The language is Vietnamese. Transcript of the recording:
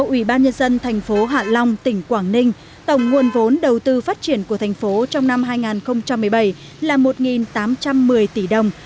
ủy ban nhân dân thành phố hạ long tỉnh quảng ninh tổng nguồn vốn đầu tư phát triển của thành phố trong năm hai nghìn một mươi bảy là một tám trăm một mươi tỷ đồng